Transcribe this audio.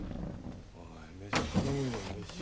おい飯頼むよ飯。